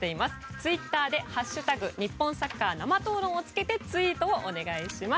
ツイッターで「＃日本サッカー生討論」をつけてツイートをお願いします。